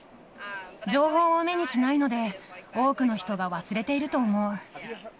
情報を目にしないので、多くの人が忘れていると思う。